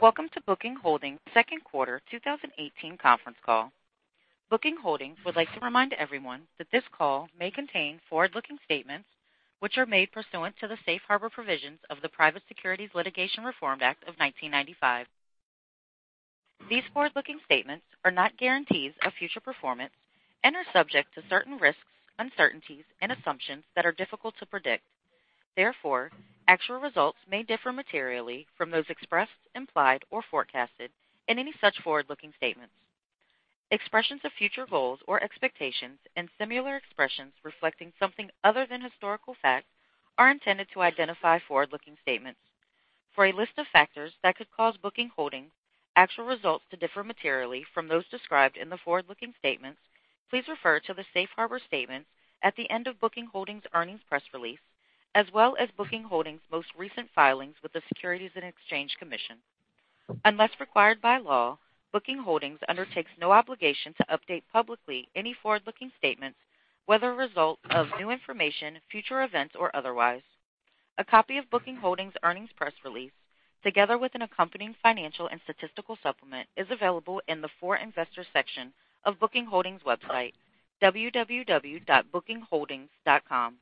Welcome to Booking Holdings second quarter 2018 conference call. Booking Holdings would like to remind everyone that this call may contain forward-looking statements, which are made pursuant to the safe harbor provisions of the Private Securities Litigation Reform Act of 1995. These forward-looking statements are not guarantees of future performance and are subject to certain risks, uncertainties, and assumptions that are difficult to predict. Therefore, actual results may differ materially from those expressed, implied, or forecasted in any such forward-looking statements. Expressions of future goals or expectations and similar expressions reflecting something other than historical fact are intended to identify forward-looking statements. For a list of factors that could cause Booking Holdings actual results to differ materially from those described in the forward-looking statements, please refer to the safe harbor statements at the end of Booking Holdings earnings press release, as well as Booking Holdings most recent filings with the Securities and Exchange Commission. Unless required by law, Booking Holdings undertakes no obligation to update publicly any forward-looking statements, whether a result of new information, future events, or otherwise. A copy of Booking Holdings earnings press release, together with an accompanying financial and statistical supplement, is available in the For Investors section of Booking Holdings website, www.bookingholdings.com.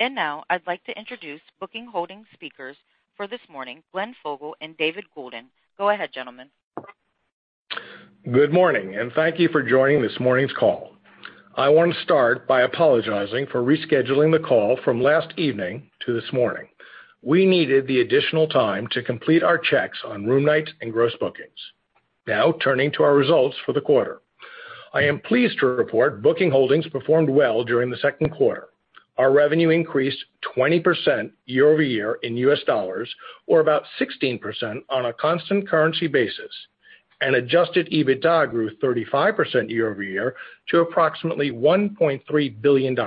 Now I'd like to introduce Booking Holdings speakers for this morning, Glenn Fogel and David Goulden. Go ahead, gentlemen. Good morning, and thank you for joining this morning's call. I want to start by apologizing for rescheduling the call from last evening to this morning. We needed the additional time to complete our checks on room nights and gross bookings. Now turning to our results for the quarter. I am pleased to report Booking Holdings performed well during the second quarter. Our revenue increased 20% year-over-year in US dollars, or about 16% on a constant currency basis. Adjusted EBITDA grew 35% year-over-year to approximately $1.3 billion.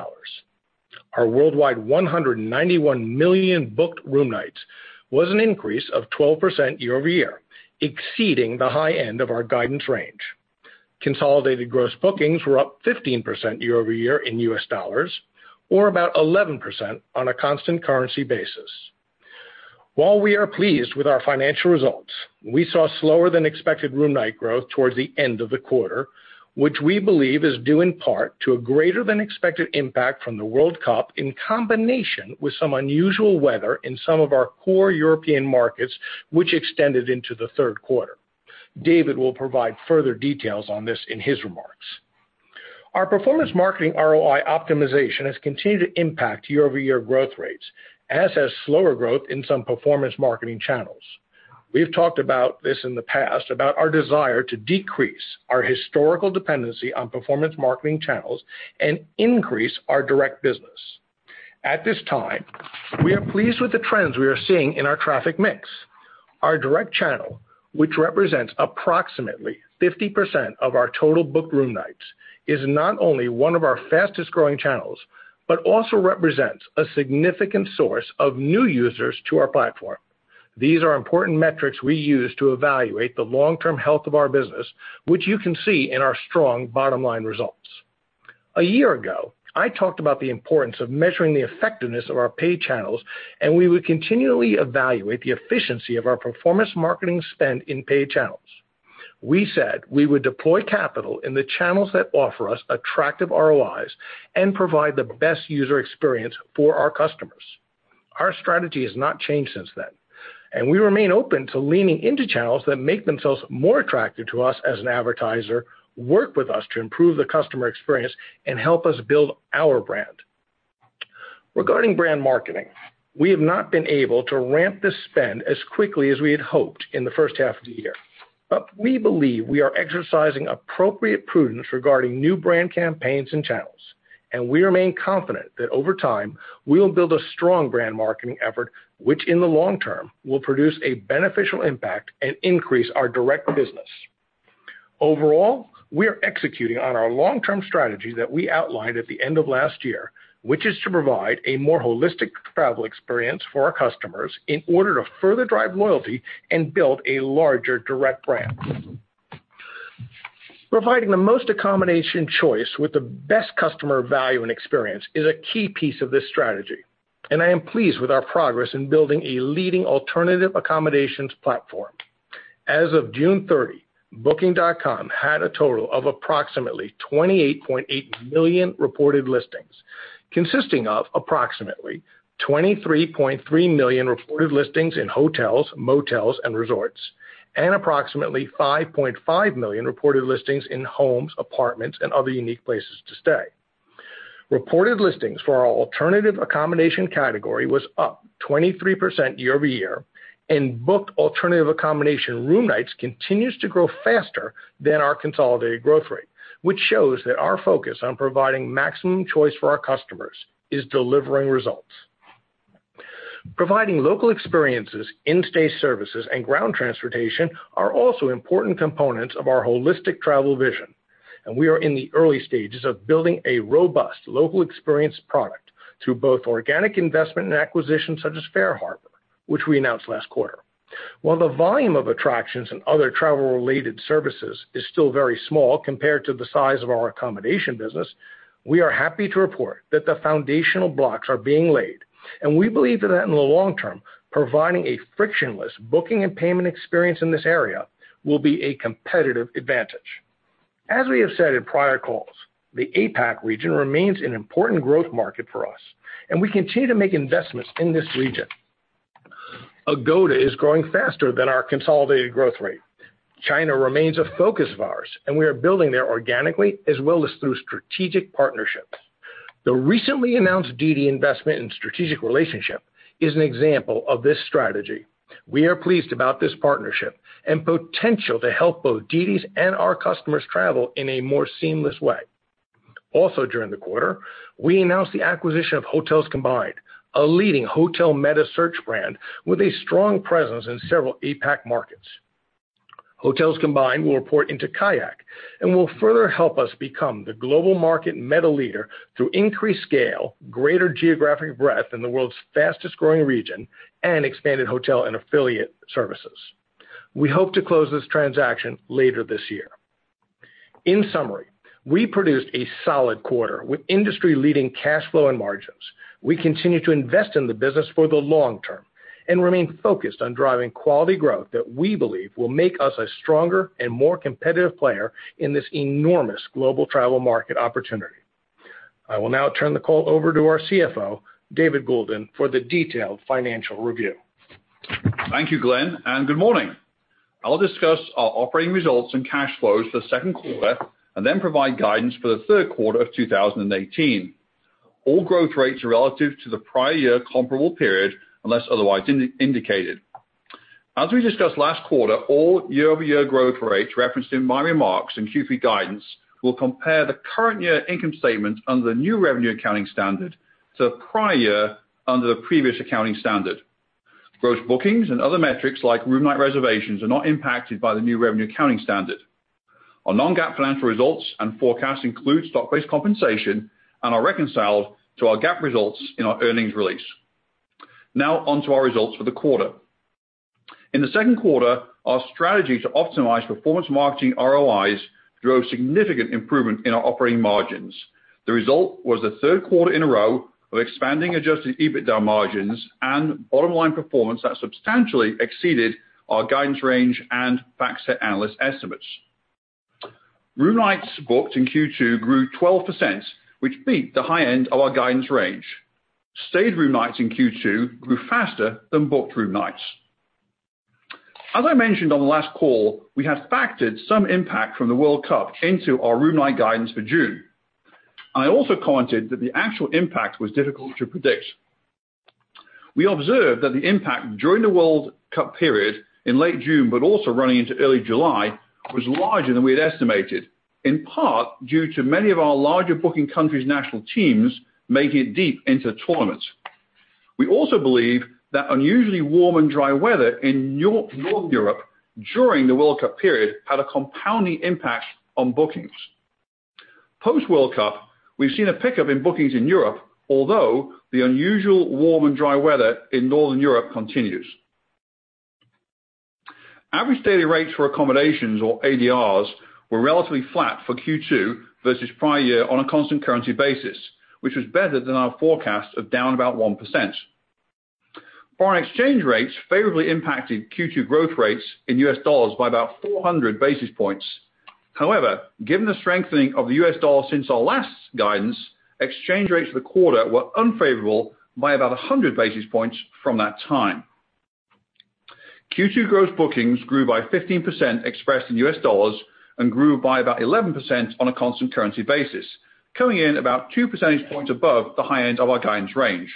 Our worldwide 191 million booked room nights was an increase of 12% year-over-year, exceeding the high end of our guidance range. Consolidated gross bookings were up 15% year-over-year in US dollars, or about 11% on a constant currency basis. While we are pleased with our financial results, we saw slower than expected room night growth towards the end of the quarter, which we believe is due in part to a greater than expected impact from the World Cup in combination with some unusual weather in some of our core European markets, which extended into the third quarter. David will provide further details on this in his remarks. Our performance marketing ROI optimization has continued to impact year-over-year growth rates, as has slower growth in some performance marketing channels. We've talked about this in the past about our desire to decrease our historical dependency on performance marketing channels and increase our direct business. At this time, we are pleased with the trends we are seeing in our traffic mix. Our direct channel, which represents approximately 50% of our total booked room nights, is not only one of our fastest-growing channels but also represents a significant source of new users to our platform. These are important metrics we use to evaluate the long-term health of our business, which you can see in our strong bottom-line results. A year ago, I talked about the importance of measuring the effectiveness of our paid channels. We would continually evaluate the efficiency of our performance marketing spend in paid channels. We said we would deploy capital in the channels that offer us attractive ROIs and provide the best user experience for our customers. Our strategy has not changed since then. We remain open to leaning into channels that make themselves more attractive to us as an advertiser, work with us to improve the customer experience, and help us build our brand. Regarding brand marketing, we have not been able to ramp the spend as quickly as we had hoped in the first half of the year. We believe we are exercising appropriate prudence regarding new brand campaigns and channels. We remain confident that over time, we will build a strong brand marketing effort, which in the long term will produce a beneficial impact and increase our direct business. Overall, we are executing on our long-term strategy that we outlined at the end of last year, which is to provide a more holistic travel experience for our customers in order to further drive loyalty and build a larger direct brand. Providing the most accommodation choice with the best customer value and experience is a key piece of this strategy. I am pleased with our progress in building a leading alternative accommodations platform. As of June 30, Booking.com had a total of approximately 28.8 million reported listings, consisting of approximately 23.3 million reported listings in hotels, motels, and resorts, and approximately 5.5 million reported listings in homes, apartments, and other unique places to stay. Reported listings for our alternative accommodation category was up 23% year-over-year. Booked alternative accommodation room nights continues to grow faster than our consolidated growth rate, which shows that our focus on providing maximum choice for our customers is delivering results. Providing local experiences, in-stay services, and ground transportation are also important components of our holistic travel vision. We are in the early stages of building a robust local experience product through both organic investment and acquisition such as FareHarbor, which we announced last quarter. While the volume of attractions and other travel-related services is still very small compared to the size of our accommodation business, we are happy to report that the foundational blocks are being laid. We believe that in the long term, providing a frictionless booking and payment experience in this area will be a competitive advantage. As we have said in prior calls, the APAC region remains an important growth market for us. We continue to make investments in this region. Agoda is growing faster than our consolidated growth rate. China remains a focus of ours. We are building there organically as well as through strategic partnerships. The recently announced DiDi investment and strategic relationship is an example of this strategy. We are pleased about this partnership and potential to help both DiDi's and our customers travel in a more seamless way. Also during the quarter, we announced the acquisition of HotelsCombined, a leading hotel metasearch brand with a strong presence in several APAC markets. HotelsCombined will report into Kayak and will further help us become the global market meta leader through increased scale, greater geographic breadth in the world's fastest-growing region, and expanded hotel and affiliate services. We hope to close this transaction later this year. In summary, we produced a solid quarter with industry-leading cash flow and margins. We continue to invest in the business for the long term and remain focused on driving quality growth that we believe will make us a stronger and more competitive player in this enormous global travel market opportunity. I will now turn the call over to our CFO, David Goulden, for the detailed financial review. Thank you, Glenn, good morning. I'll discuss our operating results and cash flows for the second quarter and then provide guidance for the third quarter of 2018. All growth rates are relative to the prior year comparable period, unless otherwise indicated. As we discussed last quarter, all year-over-year growth rates referenced in my remarks and Q3 guidance will compare the current year income statement under the new revenue accounting standard to the prior year under the previous accounting standard. Gross bookings and other metrics like room night reservations are not impacted by the new revenue accounting standard. Our non-GAAP financial results and forecasts include stock-based compensation and are reconciled to our GAAP results in our earnings release. On to our results for the quarter. In the second quarter, our strategy to optimize performance marketing ROIs drove significant improvement in our operating margins. The result was the third quarter in a row of expanding adjusted EBITDA margins and bottom-line performance that substantially exceeded our guidance range and FactSet analyst estimates. Room nights booked in Q2 grew 12%, which beat the high end of our guidance range. Stayed room nights in Q2 grew faster than booked room nights. As I mentioned on the last call, we have factored some impact from the World Cup into our room night guidance for June. I also commented that the actual impact was difficult to predict. We observed that the impact during the World Cup period in late June, but also running into early July, was larger than we had estimated, in part due to many of our larger booking countries' national teams making it deep into the tournament. We also believe that unusually warm and dry weather in North Europe during the World Cup period had a compounding impact on bookings. Post World Cup, we've seen a pickup in bookings in Europe, although the unusual warm and dry weather in Northern Europe continues. Average daily rates for accommodations, or ADRs, were relatively flat for Q2 versus prior year on a constant currency basis, which was better than our forecast of down about 1%. Foreign exchange rates favorably impacted Q2 growth rates in US dollars by about 400 basis points. Given the strengthening of the US dollar since our last guidance, exchange rates for the quarter were unfavorable by about 100 basis points from that time. Q2 gross bookings grew by 15% expressed in U.S. dollars and grew by about 11% on a constant currency basis, coming in about two percentage points above the high end of our guidance range.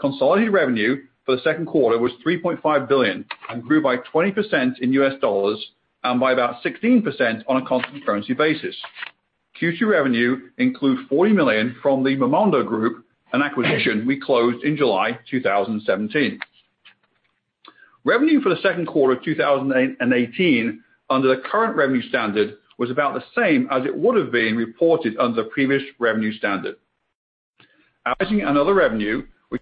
Consolidated revenue for the second quarter was $3.5 billion and grew by 20% in U.S. dollars and by about 16% on a constant currency basis. Q2 revenue includes $40 million from the Momondo Group, an acquisition we closed in July 2017. Revenue for the second quarter of 2018 under the current revenue standard was about the same as it would have been reported under the previous revenue standard. Outlining another revenue, which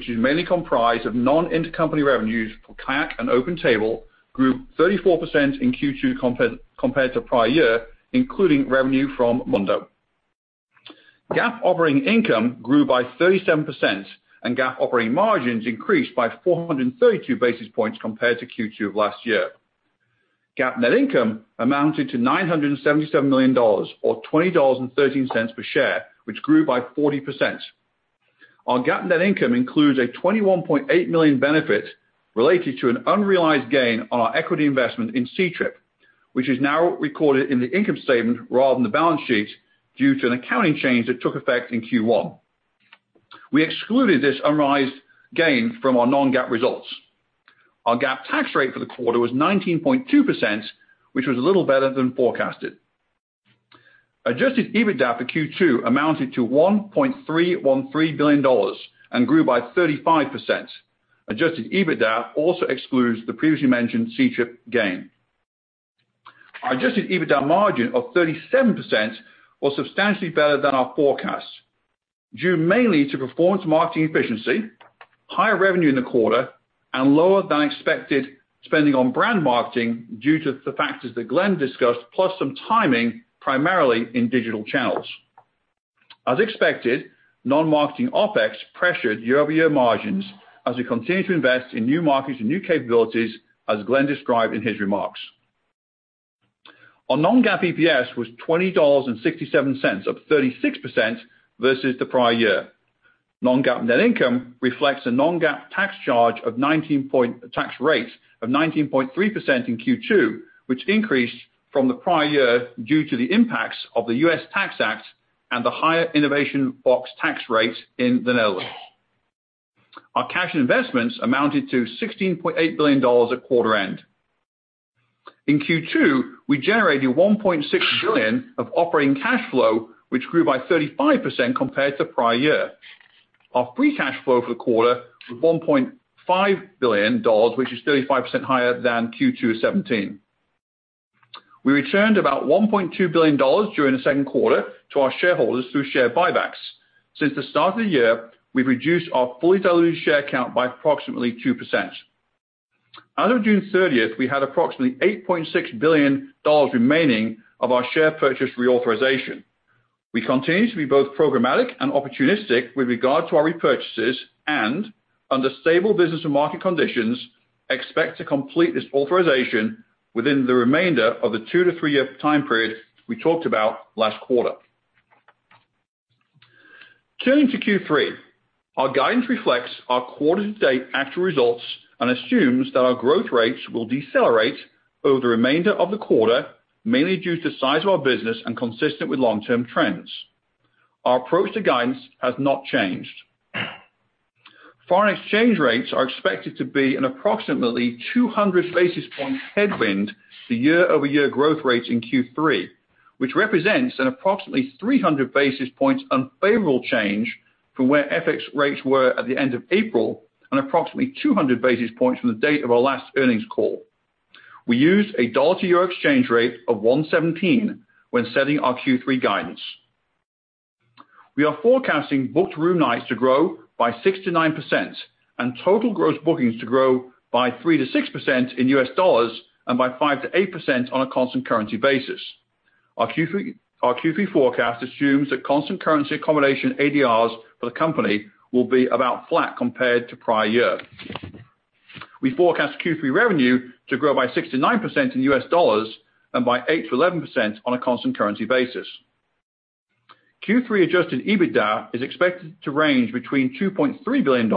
is mainly comprised of non-intercompany revenues for Kayak and OpenTable grew 34% in Q2 compared to prior year, including revenue from Momondo. GAAP operating income grew by 37%, and GAAP operating margins increased by 432 basis points compared to Q2 of last year. GAAP net income amounted to $977 million, or $20.13 per share, which grew by 40%. Our GAAP net income includes a $21.8 million benefit related to an unrealized gain on our equity investment in Ctrip, which is now recorded in the income statement rather than the balance sheet due to an accounting change that took effect in Q1. We excluded this unrealized gain from our non-GAAP results. Our GAAP tax rate for the quarter was 19.2%, which was a little better than forecasted. Adjusted EBITDA for Q2 amounted to $1.313 billion and grew by 35%. Adjusted EBITDA also excludes the previously mentioned Ctrip gain. Adjusted EBITDA margin of 37% was substantially better than our forecast, due mainly to performance marketing efficiency, higher revenue in the quarter, and lower than expected spending on brand marketing due to the factors that Glenn discussed, plus some timing primarily in digital channels. As expected, non-marketing OpEx pressured year-over-year margins as we continue to invest in new markets and new capabilities, as Glenn described in his remarks. Our non-GAAP EPS was $20.67, up 36% versus the prior year. Non-GAAP net income reflects a non-GAAP tax rate of 19.3% in Q2, which increased from the prior year due to the impacts of the U.S. Tax Act and the higher Innovation Box tax rate in the Netherlands. Our cash investments amounted to $16.8 billion at quarter end. In Q2, we generated $1.6 billion of operating cash flow, which grew by 35% compared to prior year. Our free cash flow for the quarter was $1.5 billion, which is 35% higher than Q2 '17. We returned about $1.2 billion during the second quarter to our shareholders through share buybacks. Since the start of the year, we've reduced our fully diluted share count by approximately 2%. As of June 30th, we had approximately $8.6 billion remaining of our share purchase reauthorization. We continue to be both programmatic and opportunistic with regard to our repurchases, and under stable business and market conditions, expect to complete this authorization within the remainder of the two to three-year time period we talked about last quarter. Turning to Q3. Our guidance reflects our quarter-to-date actual results and assumes that our growth rates will decelerate over the remainder of the quarter, mainly due to size of our business and consistent with long-term trends. Our approach to guidance has not changed. Foreign exchange rates are expected to be an approximately 200 basis point headwind to year-over-year growth rates in Q3, which represents an approximately 300 basis points unfavorable change from where FX rates were at the end of April, and approximately 200 basis points from the date of our last earnings call. We used a dollar to EUR exchange rate of 117 when setting our Q3 guidance. We are forecasting booked room nights to grow by 6%-9% and total gross bookings to grow by 3%-6% in U.S. dollars and by 5%-8% on a constant currency basis. Our Q3 forecast assumes that constant currency accommodation ADRs for the company will be about flat compared to prior year. We forecast Q3 revenue to grow by 69% in U.S. dollars and by 8%-11% on a constant currency basis. Q3 adjusted EBITDA is expected to range between $2.3 billion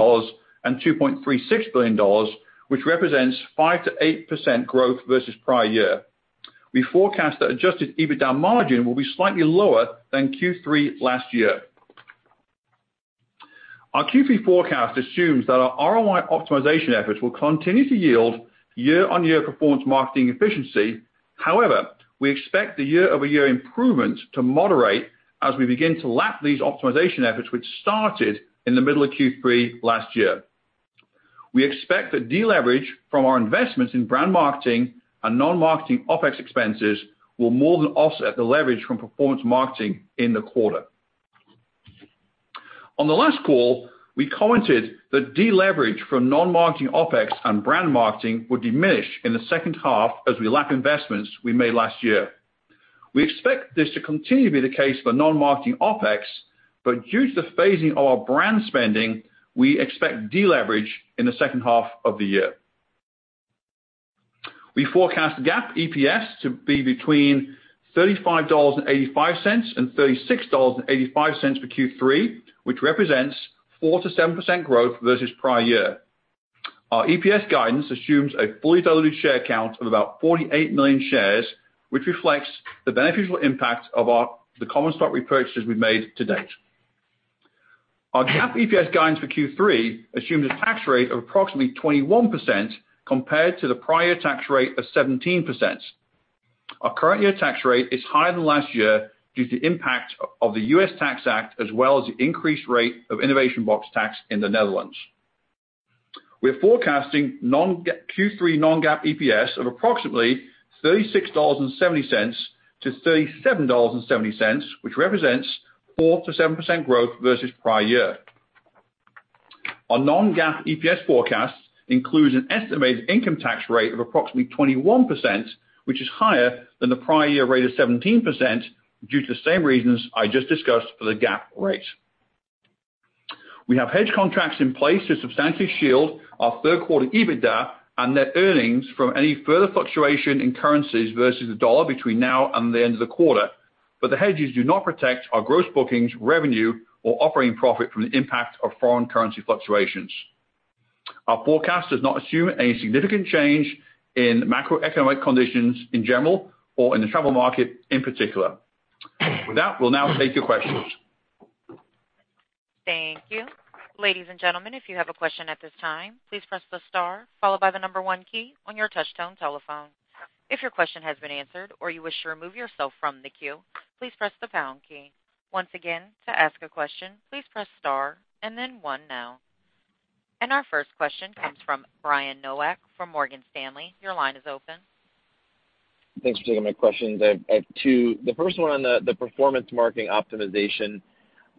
and $2.36 billion, which represents 5%-8% growth versus prior year. We forecast that adjusted EBITDA margin will be slightly lower than Q3 last year. Our Q3 forecast assumes that our ROI optimization efforts will continue to yield year-on-year performance marketing efficiency. However, we expect the year-over-year improvements to moderate as we begin to lap these optimization efforts, which started in the middle of Q3 last year. We expect that deleverage from our investments in brand marketing and non-marketing OpEx expenses will more than offset the leverage from performance marketing in the quarter. On the last call, we commented that deleverage from non-marketing OpEx and brand marketing would diminish in the second half as we lap investments we made last year. We expect this to continue to be the case for non-marketing OpEx. Due to the phasing of our brand spending, we expect deleverage in the second half of the year. We forecast GAAP EPS to be between $35.85 and $36.85 for Q3, which represents 4%-7% growth versus prior year. Our EPS guidance assumes a fully diluted share count of about 48 million shares, which reflects the beneficial impact of the common stock repurchases we made to date. Our GAAP EPS guidance for Q3 assumes a tax rate of approximately 21% compared to the prior tax rate of 17%. Our current year tax rate is higher than last year due to the impact of the U.S. Tax Act as well as the increased rate of Innovation Box tax in the Netherlands. We're forecasting Q3 non-GAAP EPS of approximately $36.70-$37.70, which represents 4%-7% growth versus prior year. Our non-GAAP EPS forecast includes an estimated income tax rate of approximately 21%, which is higher than the prior year rate of 17% due to the same reasons I just discussed for the GAAP rate. We have hedge contracts in place to substantially shield our third quarter EBITDA and net earnings from any further fluctuation in currencies versus the U.S. dollar between now and the end of the quarter. The hedges do not protect our gross bookings, revenue, or operating profit from the impact of foreign currency fluctuations. Our forecast does not assume any significant change in macroeconomic conditions in general or in the travel market in particular. With that, we'll now take your questions. Thank you. Ladies and gentlemen, if you have a question at this time, please press the star followed by the number one key on your touchtone telephone. If your question has been answered or you wish to remove yourself from the queue, please press the pound key. Once again, to ask a question, please press star and then one now. Our first question comes from Brian Nowak from Morgan Stanley. Your line is open. Thanks for taking my questions. I have two. The first one on the performance marketing optimization.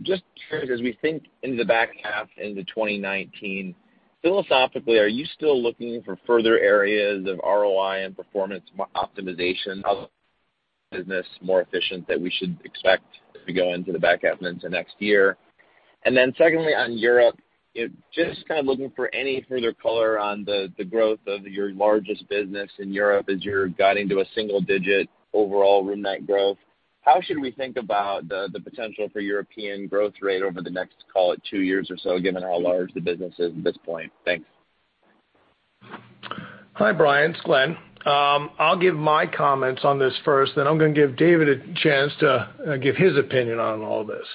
Just curious, as we think into the back half into 2019. Philosophically, are you still looking for further areas of ROI and performance optimization of the business more efficient that we should expect as we go into the back end into next year? Secondly, on Europe, just kind of looking for any further color on the growth of your largest business in Europe as you're guiding to a single-digit overall room night growth. How should we think about the potential for European growth rate over the next, call it two years or so, given how large the business is at this point? Thanks. Hi, Brian. It's Glenn. I'll give my comments on this first. I'm going to give David a chance to give his opinion on all this.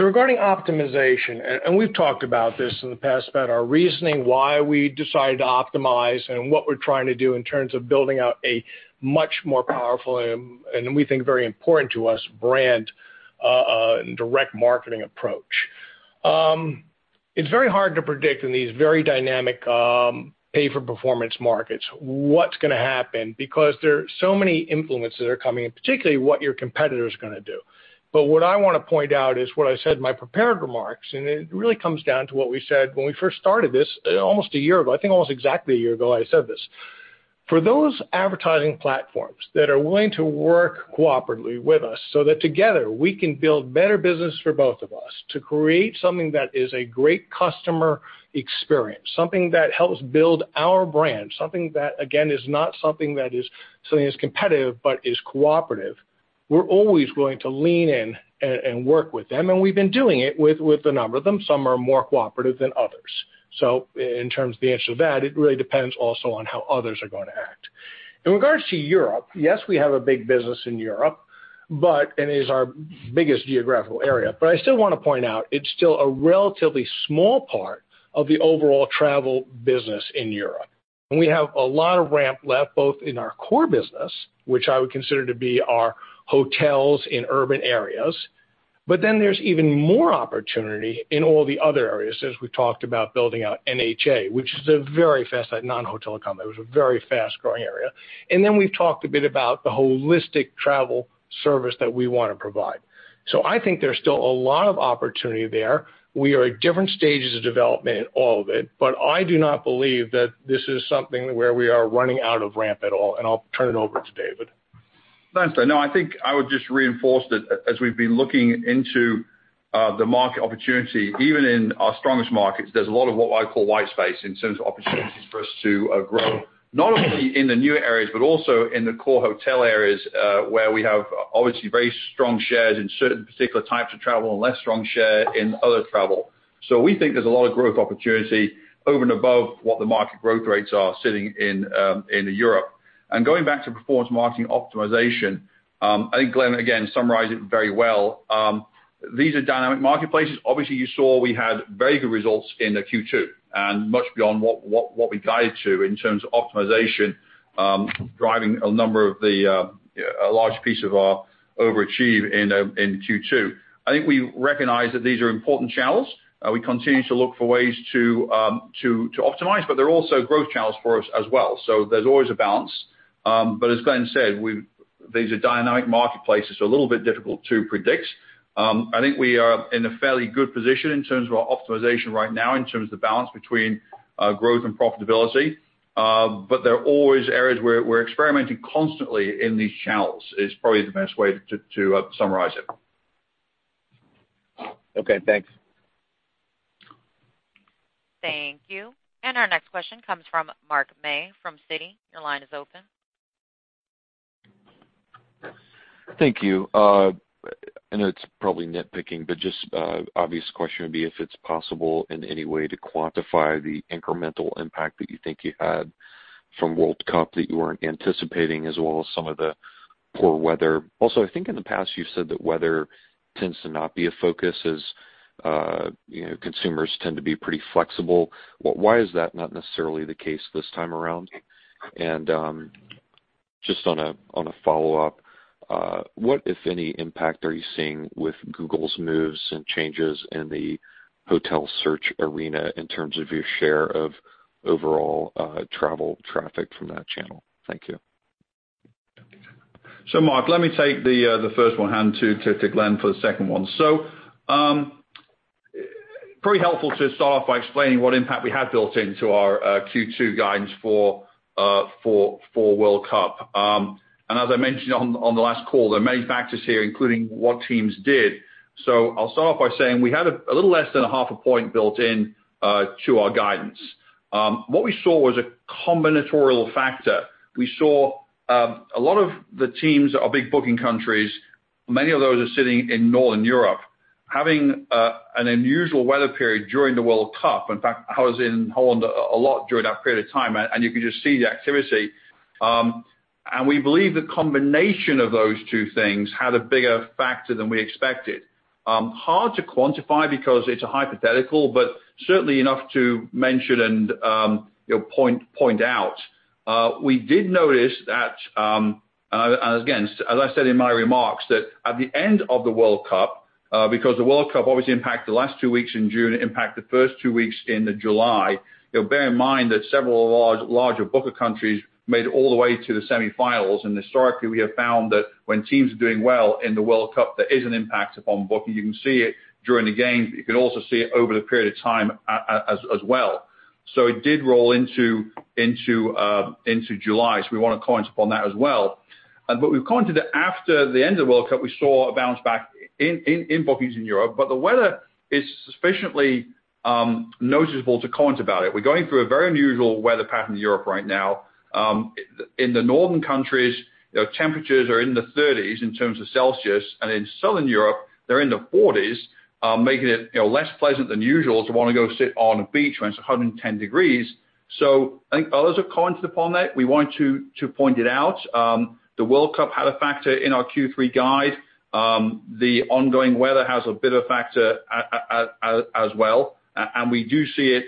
Regarding optimization, we've talked about this in the past about our reasoning, why we decided to optimize, and what we're trying to do in terms of building out a much more powerful, and we think very important to us, brand, direct marketing approach. It's very hard to predict in these very dynamic pay-for-performance markets what's going to happen because there's so many influences are coming in, particularly what your competitor's going to do. What I want to point out is what I said in my prepared remarks. It really comes down to what we said when we first started this almost a year ago, I think almost exactly a year ago, I said this. For those advertising platforms that are willing to work cooperatively with us that together we can build better business for both of us, to create something that is a great customer experience, something that helps build our brand, something that, again, is not something that is something that's competitive but is cooperative, we're always willing to lean in and work with them. We've been doing it with a number of them. Some are more cooperative than others. In terms of the answer to that, it really depends also on how others are going to act. In regards to Europe, yes, we have a big business in Europe, and it is our biggest geographical area. I still want to point out it's still a relatively small part of the overall travel business in Europe. We have a lot of ramp left, both in our core business, which I would consider to be our hotels in urban areas. There's even more opportunity in all the other areas as we talked about building out NHA, Non-Hotel Accommodations, which is a very fast-growing area. We've talked a bit about the holistic travel service that we want to provide. I think there's still a lot of opportunity there. We are at different stages of development in all of it. I do not believe that this is something where we are running out of ramp at all. I'll turn it over to David. Thanks. I think I would just reinforce that as we've been looking into the market opportunity, even in our strongest markets, there's a lot of what I call white space in terms of opportunities for us to grow, not only in the new areas but also in the core hotel areas, where we have obviously very strong shares in certain particular types of travel and less strong share in other travel. We think there's a lot of growth opportunity over and above what the market growth rates are sitting in Europe. Going back to performance marketing optimization, I think Glenn, again, summarized it very well. These are dynamic marketplaces. You saw we had very good results in the Q2 and much beyond what we guided to in terms of optimization, driving a large piece of our overachieve in Q2. I think we recognize that these are important channels. We continue to look for ways to optimize, they're also growth channels for us as well. There's always a balance. As Glenn said, these are dynamic marketplaces, so a little bit difficult to predict. I think we are in a fairly good position in terms of our optimization right now, in terms of the balance between growth and profitability. There are always areas where we're experimenting constantly in these channels, is probably the best way to summarize it. Okay, thanks. Thank you. Our next question comes from Mark May from Citi. Your line is open. Thank you. I know it's probably nitpicking, but just obvious question would be if it's possible in any way to quantify the incremental impact that you think you had from World Cup that you weren't anticipating, as well as some of the poor weather. Also, I think in the past you've said that weather tends to not be a focus as consumers tend to be pretty flexible. Why is that not necessarily the case this time around? Just on a follow-up, what, if any, impact are you seeing with Google's moves and changes in the hotel search arena in terms of your share of overall travel traffic from that channel? Thank you. Mark, let me take the first one hand to Glenn for the second one. Pretty helpful to start off by explaining what impact we had built into our Q2 guidance for World Cup. As I mentioned on the last call, there are many factors here, including what teams did. I'll start off by saying we had a little less than a half a point built in to our guidance. What we saw was a combinatorial factor. We saw a lot of the teams that are big booking countries, many of those are sitting in Northern Europe, having an unusual weather period during the World Cup. In fact, I was in Holland a lot during that period of time, and you could just see the activity. We believe the combination of those two things had a bigger factor than we expected. Hard to quantify because it's a hypothetical, but certainly enough to mention and point out. We did notice that, and again, as I said in my remarks, that at the end of the World Cup. Because the World Cup obviously impacted the last two weeks in June, it impacted the first two weeks into July. Bear in mind that several larger booking countries made it all the way to the semifinals, and historically, we have found that when teams are doing well in the World Cup, there is an impact upon booking. You can see it during the games, but you can also see it over the period of time as well. It did roll into July, so we want to comment upon that as well. We've commented that after the end of the World Cup, we saw a bounce back in bookings in Europe, but the weather is sufficiently noticeable to comment about it. We're going through a very unusual weather pattern in Europe right now. In the northern countries, temperatures are in the 30s in terms of Celsius, and in southern Europe, they're in the 40s, making it less pleasant than usual to want to go sit on a beach when it's 110 degrees. I think others have commented upon that. We want to point it out. The World Cup had a factor in our Q3 guide. The ongoing weather has a bit of a factor as well, and we do see it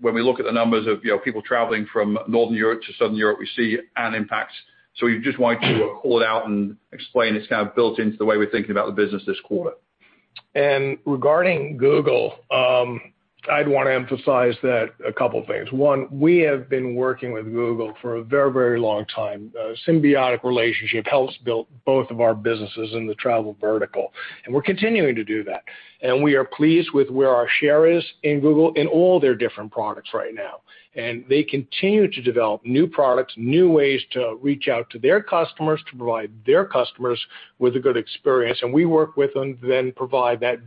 when we look at the numbers of people traveling from northern Europe to southern Europe, we see an impact. We just wanted to call it out and explain it's now built into the way we're thinking about the business this quarter. Regarding Google, I'd want to emphasize a couple things. One, we have been working with Google for a very long time. A symbiotic relationship, helped us build both of our businesses in the travel vertical, and we're continuing to do that. We are pleased with where our share is in Google in all their different products right now. They continue to develop new products, new ways to reach out to their customers to provide their customers with a good experience, and we work with them to then provide that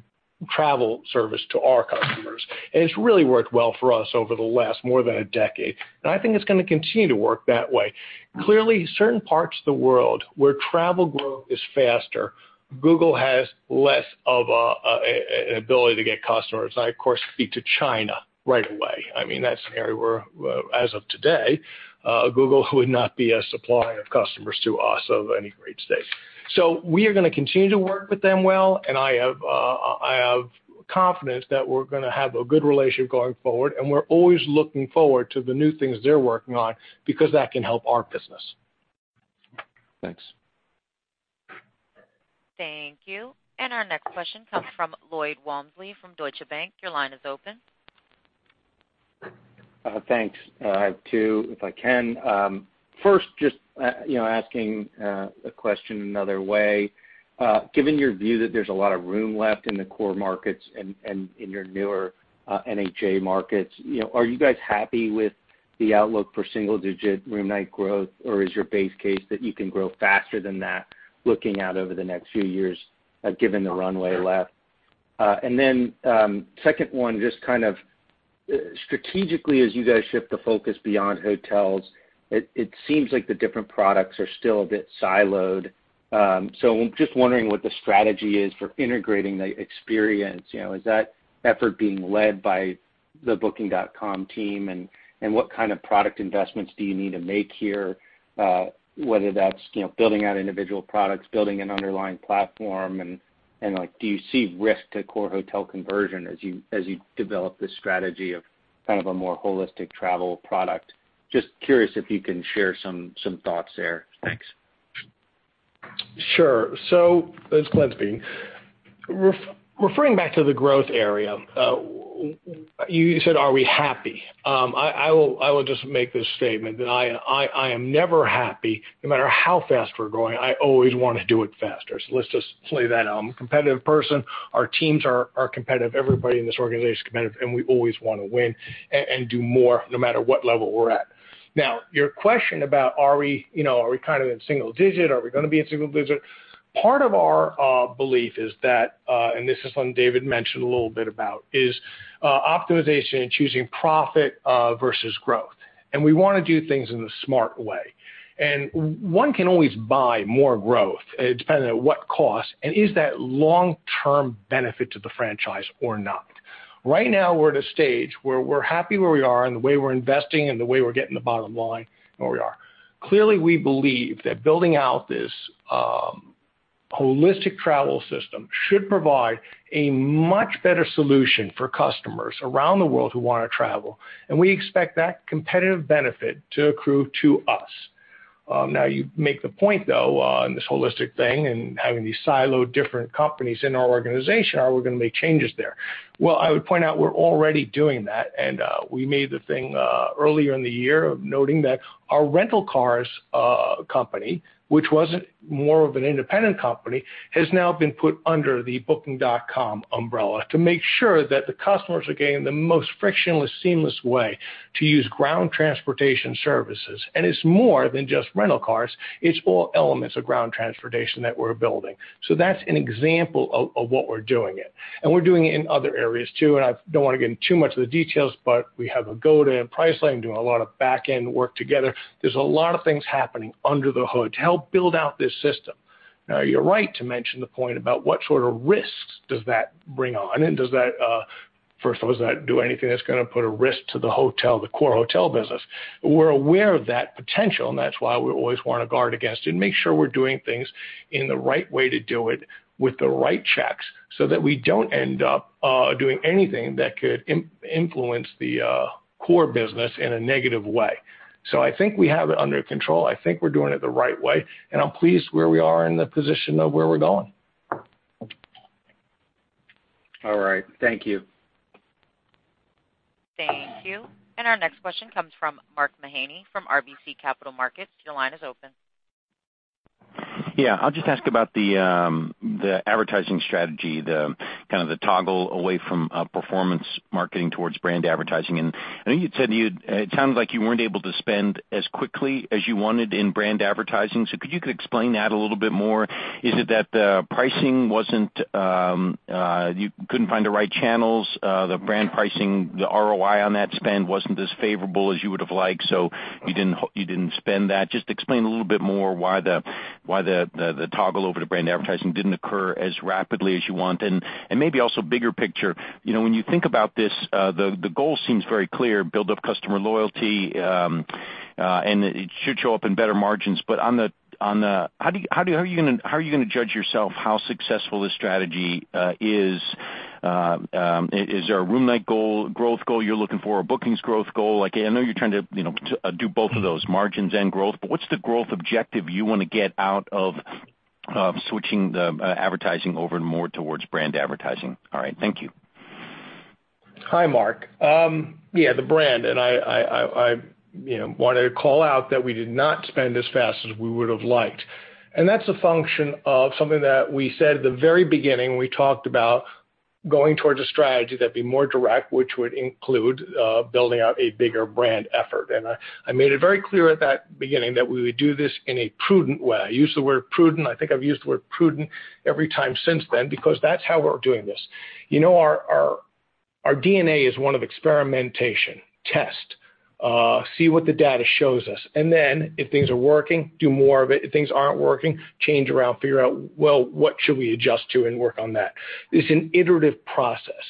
travel service to our customers. It's really worked well for us over the last more than a decade, and I think it's going to continue to work that way. Clearly, certain parts of the world where travel growth is faster, Google has less of an ability to get customers. I, of course, speak to China right away. That's an area where, as of today, Google would not be a supplier of customers to us of any great state. We are going to continue to work with them well, and I have confidence that we're going to have a good relationship going forward, and we're always looking forward to the new things they're working on because that can help our business. Thanks. Thank you. Our next question comes from Lloyd Walmsley from Deutsche Bank. Your line is open. Thanks. I have two, if I can. First, just asking a question another way. Given your view that there's a lot of room left in the core markets and in your newer NHA markets, are you guys happy with the outlook for single-digit room night growth, or is your base case that you can grow faster than that looking out over the next few years given the runway left? Second one, just strategically as you guys shift the focus beyond hotels, it seems like the different products are still a bit siloed. I'm just wondering what the strategy is for integrating the experience. Is that effort being led by the Booking.com team, what kind of product investments do you need to make here? Whether that's building out individual products, building an underlying platform, do you see risk to core hotel conversion as you develop this strategy of a more holistic travel product? Just curious if you can share some thoughts there. Thanks. Sure. Glenn speaking. Referring back to the growth area, you said, are we happy? I will just make this statement, that I am never happy. No matter how fast we're growing, I always want to do it faster. Let's just lay that out. I'm a competitive person. Our teams are competitive. Everybody in this organization is competitive, and we always want to win and do more, no matter what level we're at. Now, your question about are we in single digit? Are we going to be in single digit? Part of our belief is that, this is something David mentioned a little bit about, is optimization and choosing profit versus growth. We want to do things in the smart way. One can always buy more growth, depending on what cost, and is that long-term benefit to the franchise or not? Right now, we're at a stage where we're happy where we are and the way we're investing and the way we're getting the bottom line where we are. Clearly, we believe that building out this holistic travel system should provide a much better solution for customers around the world who want to travel, and we expect that competitive benefit to accrue to us. You make the point, though, on this holistic thing and having these siloed different companies in our organization, are we going to make changes there? I would point out we're already doing that, and we made the thing earlier in the year of noting that our rental cars company, which was more of an independent company, has now been put under the Booking.com umbrella to make sure that the customers are getting the most frictionless, seamless way to use ground transportation services. It's more than just rental cars, it's all elements of ground transportation that we're building. That's an example of what we're doing it. We're doing it in other areas, too, and I don't want to get in too much of the details, but we have Agoda and Priceline doing a lot of back-end work together. There's a lot of things happening under the hood to help build out this system. You're right to mention the point about what sort of risks does that bring on, and first of all, does that do anything that's going to put a risk to the core hotel business? We're aware of that potential, and that's why we always want to guard against it and make sure we're doing things in the right way to do it with the right checks so that we don't end up doing anything that could influence the core business in a negative way. I think we have it under control. I think we're doing it the right way, and I'm pleased where we are in the position of where we're going. All right. Thank you. Thank you. Our next question comes from Mark Mahaney from RBC Capital Markets. Your line is open. Yeah. I'll just ask about the advertising strategy, the toggle away from performance marketing towards brand advertising. I think it sounded like you weren't able to spend as quickly as you wanted in brand advertising. Could you explain that a little bit more? Is it that the pricing wasn't? You couldn't find the right channels, the brand pricing, the ROI on that spend wasn't as favorable as you would've liked, so you didn't spend that. Just explain a little bit more why the toggle over to brand advertising didn't occur as rapidly as you want. Maybe also bigger picture, when you think about this, the goal seems very clear, build up customer loyalty, and it should show up in better margins. How are you going to judge yourself how successful this strategy is? Is there a room night goal, growth goal you're looking for, a bookings growth goal? I know you're trying to do both of those, margins and growth, what's the growth objective you want to get out of switching the advertising over more towards brand advertising? All right. Thank you. Hi, Mark. Yeah, the brand, I wanted to call out that we did not spend as fast as we would've liked, that's a function of something that we said at the very beginning when we talked about going towards a strategy that'd be more direct, which would include building out a bigger brand effort. I made it very clear at that beginning that we would do this in a prudent way. I used the word prudent. I think I've used the word prudent every time since then, because that's how we're doing this. Our DNA is one of experimentation. Test, see what the data shows us, then if things are working, do more of it. If things aren't working, change around, figure out, well, what should we adjust to, work on that. It's an iterative process,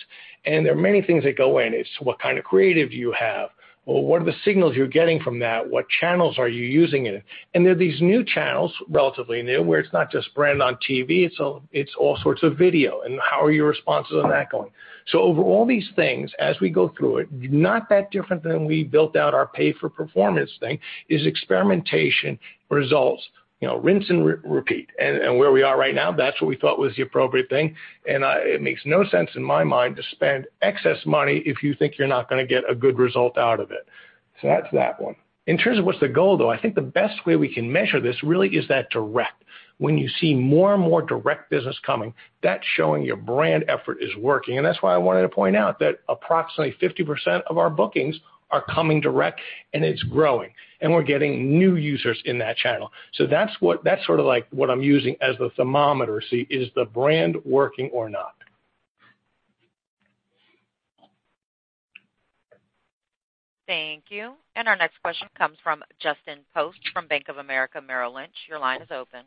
there are many things that go in. It's what kind of creative you have, or what are the signals you're getting from that? What channels are you using in it? There are these new channels, relatively new, where it's not just brand on TV, it's all sorts of video, and how are your responses on that going? Over all these things, as we go through it, not that different than we built out our pay-for-performance thing, is experimentation results. Rinse and repeat. Where we are right now, that's what we thought was the appropriate thing, and it makes no sense in my mind to spend excess money if you think you're not going to get a good result out of it. That's that one. In terms of what's the goal, though, I think the best way we can measure this really is that direct. When you see more and more direct business coming, that's showing your brand effort is working. That's why I wanted to point out that approximately 50% of our bookings are coming direct and it's growing, and we're getting new users in that channel. That's what I'm using as the thermometer. See, is the brand working or not? Thank you. Our next question comes from Justin Post from Bank of America Merrill Lynch. Your line is open.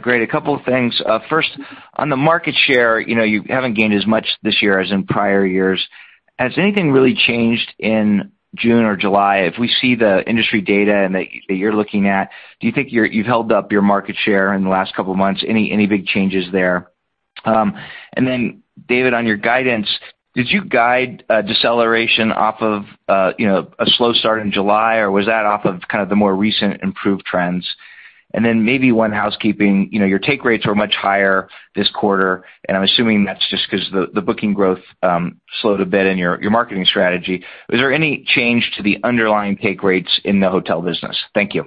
Great. A couple of things. First, on the market share, you haven't gained as much this year as in prior years. Has anything really changed in June or July? If we see the industry data that you're looking at, do you think you've held up your market share in the last couple of months? Any big changes there? David, on your guidance, did you guide a deceleration off of a slow start in July, or was that off of the more recent improved trends? Maybe one housekeeping, your take rates were much higher this quarter, and I'm assuming that's just because the booking growth slowed a bit in your marketing strategy. Was there any change to the underlying take rates in the hotel business? Thank you.